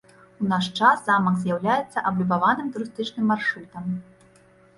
У наш час замак з'яўляецца аблюбаваным турыстычным маршрутам.